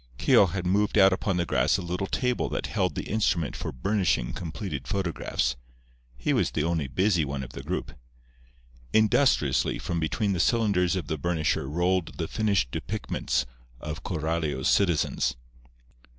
Keogh had moved out upon the grass a little table that held the instrument for burnishing completed photographs. He was the only busy one of the group. Industriously from between the cylinders of the burnisher rolled the finished depictments of Coralio's citizens.